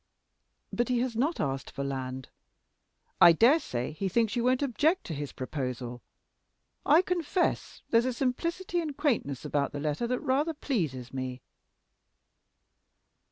"But he has not asked for land. I dare say he thinks you won't object to his proposal. I confess there's a simplicity and quaintness about the letter that rather pleases me."